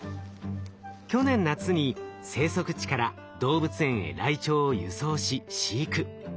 去年夏に生息地から動物園へライチョウを輸送し飼育。